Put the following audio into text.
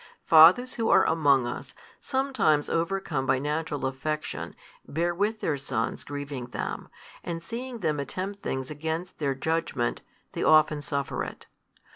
Fathers who are among us, sometimes overcome by natural affection, bear with their sons grieving them, and seeing them attempt things against their judgment, they often suffer it.